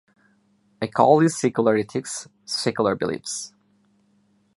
I call these secular ethics, secular beliefs.